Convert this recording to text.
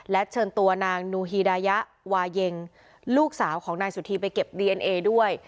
เชิญตัวนางนูฮีดายะวาเย็งลูกสาวของนายสุธีไปเก็บดีเอ็นเอด้วย